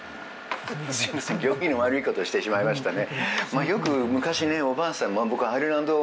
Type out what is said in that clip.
すみません、行儀の悪いことしてしまいましたね。